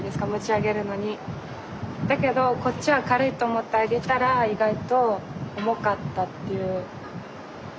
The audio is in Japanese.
だけどこっちは軽いと思って上げたら意外と重かったっていうなんだろう？